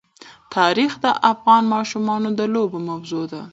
تاریخ د افغان ماشومانو د لوبو موضوع ده.